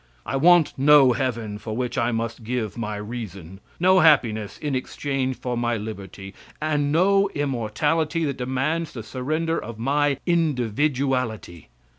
I want no heaven for which I must give my reason; no happiness in exchange for my liberty, and no immortality that demands the surrender of my individuality.